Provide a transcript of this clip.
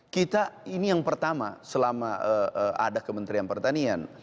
kita ini yang pertama selama ada kementerian pertanian